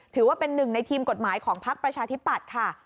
ถือว่าเป็นหนึ่งในทีมกฎหมายของพักประชาธิปัตย์ค่ะ